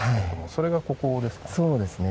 それがここですか？